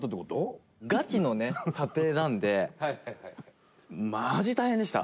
玉森：ガチのね、査定なんでマジ大変でした。